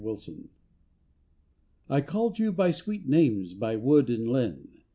IRELAND I CALLED you by sweet names by wood and linn.